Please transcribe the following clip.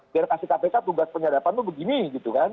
biar kasih kpk tugas penyadapan tuh begini gitu kan